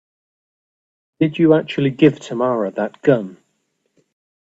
Did you actually give Tamara that gun?